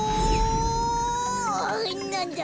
なんだ？